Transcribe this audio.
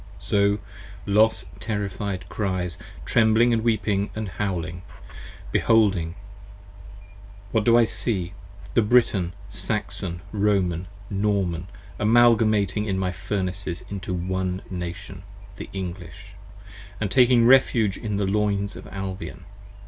58 So Los terrified cries; trembling & weeping & howling: Beholding. p. 92 WHAT do I see! The Briton, Saxon, Roman, Norman amalgamating In my Furnaces into One Nation, the English :& taking refuge In the Loins of Albion.